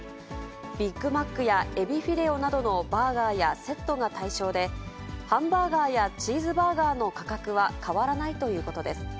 ビッグマックやえびフィレオなどのバーガーや、セットが対象で、ハンバーガーやチーズバーガーの価格は変わらないということです。